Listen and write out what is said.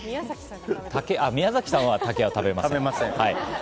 宮崎さんは竹食べません。